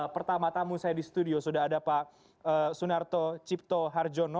pertama tamu saya di studio sudah ada pak sunarto cipto harjono